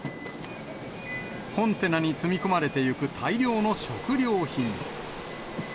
コンテナに積み込まれてゆく大量の食料品。